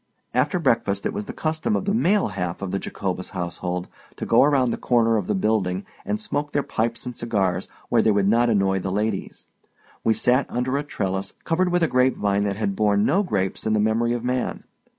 After breakfast, it was the custom of the male half of the Jacobus household to go around the corner of the building and smoke their pipes and cigars where they would not annoy the ladies. We sat under a trellis covered with a grapevine that had borne no grapes in the memory of man.